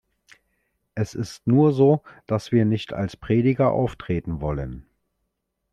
Es ist nur so, dass wir nicht als Prediger auftreten wollen.